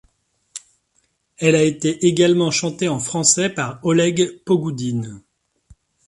Elle a été également chantée en français par Oleg Pogoudine.